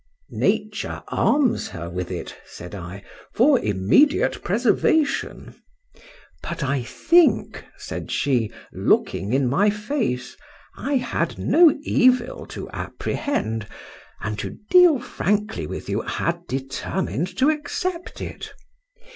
— Nature arms her with it, said I, for immediate preservation.—But I think, said she, looking in my face, I had no evil to apprehend,—and, to deal frankly with you, had determined to accept it.